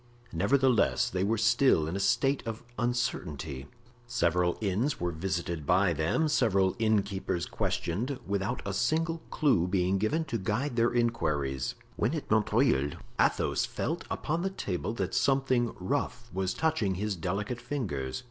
Nevertheless, they were still in a state of uncertainty. Several inns were visited by them, several innkeepers questioned, without a single clew being given to guide their inquiries, when at Montreuil Athos felt upon the table that something rough was touching his delicate fingers.